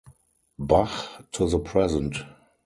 Bach to the present.